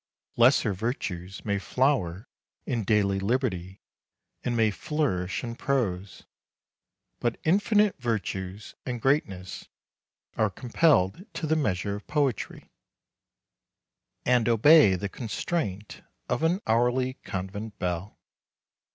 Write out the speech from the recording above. Lesser virtues may flower in daily liberty and may flourish in prose; but infinite virtues and greatness are compelled to the measure of poetry, and obey the constraint of an hourly convent bell.